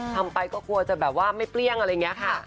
ทำไปก็กลัวจะแบบว่าไม่เปรี้ยงอะไรอย่างนี้ค่ะ